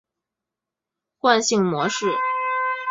惯性模式。